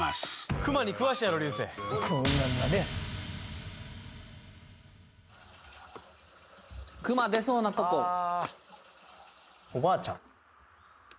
熊に詳しいやろ流星なんでや熊出そうなとこおばあちゃん？